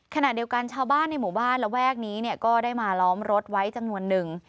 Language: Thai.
ขณะเดียวกันชาวบ้านในหมู่บ้านระแวกนี้ก็ได้มาล้อมรถไว้จำนวนหนึ่ง